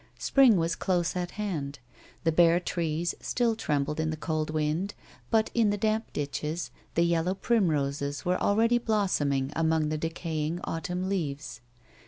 Spring was close at hand. The bare trees still ti embled in the cold wind, but, in tlie damp ditches, the yellow primroses were already blossoming among the decaying autumn leaves.